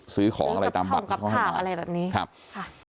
ซื้อของอะไรตามบัตรเขาให้มาต้องกระทั่งกับข่าวอะไรแบบนี้ครับค่ะ